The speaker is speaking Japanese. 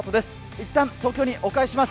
いったん東京にお返しします。